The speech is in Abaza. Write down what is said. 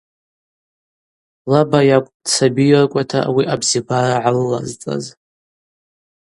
Лаба йакӏвпӏ дсабийыркӏвата ауи абзибара гӏалылазцӏаз.